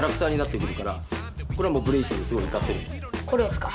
これをですか？